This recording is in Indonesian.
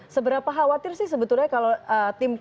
seberapa khawatir sih sebetulnya kalau tim kpk